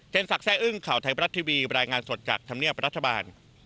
เช่นศักดิ์แซ่อึ้งข่าวไทยประทับทีวีบรายงานสดจากธรรมเนียบรัฐบาล